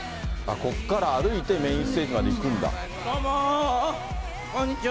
ここから歩いて、メインステージまで行くんだ。